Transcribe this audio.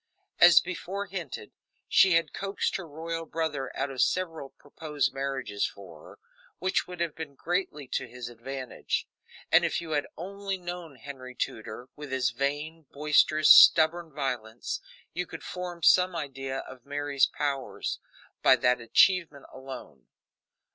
As before hinted, she had coaxed her royal brother out of several proposed marriages for her, which would have been greatly to his advantage; and if you had only known Henry Tudor, with his vain, boisterous, stubborn violence, you could form some idea of Mary's powers by that achievement alone.